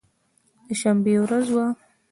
د شنبې ورځ وه.